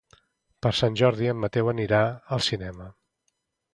Per Sant Jordi en Mateu anirà al cinema.